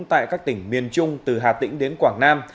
tại các tỉnh miền trung từ hà tĩnh đến quảng nam